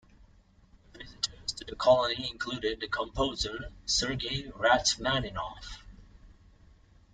Visitors to the colony included the composer Sergei Rachmaninoff.